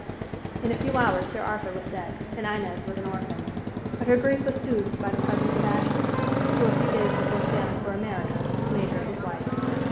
In a few hours Sir Arthur was dead, and Inez was an orphan. But her grief was soothed by the presence of Ashton, who, a few days before sailing for America, made her his wife.